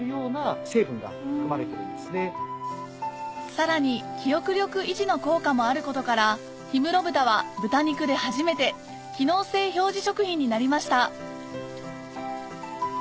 さらに記憶力維持の効果もあることから氷室豚は豚肉で初めて機能性表示食品になりました